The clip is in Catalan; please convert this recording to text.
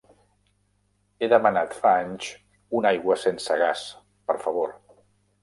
He demanat fa anys una aigua sense gas, per favor.